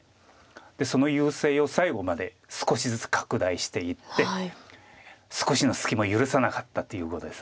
その優勢を最後まで少しずつ拡大していって少しの隙も許さなかったという碁です。